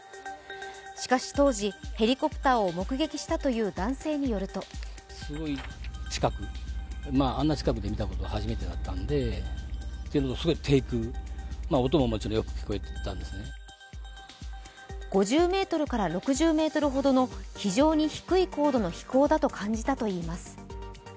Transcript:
しかし当時、ヘリコプターを目撃したという男性によると５０ｍから６０ｍほどの非常に低い高度の飛行だと感じたといいます。